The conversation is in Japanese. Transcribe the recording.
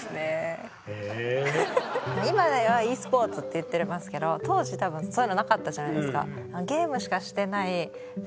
今では「ｅスポーツ」って言ってますけど当時多分そういうのなかったじゃないですか。